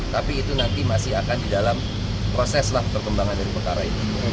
tapi itu nanti masih akan di dalam proses lah perkembangan dari perkara ini